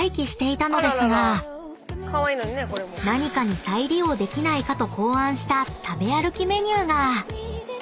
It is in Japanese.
［何かに再利用できないかと考案した食べ歩きメニューが］